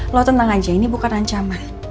lo tenang aja ini bukan ancaman